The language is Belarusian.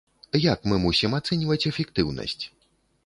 Як мы мусім ацэньваць эфектыўнасць?